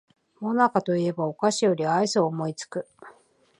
もなかと言えばお菓子よりアイスを思いつく